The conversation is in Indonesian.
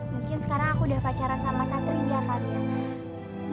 mungkin sekarang aku udah pacaran sama satria pak ria